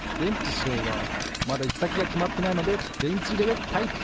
しろうはまだいきさきがきまってないのででんちいれでたいき！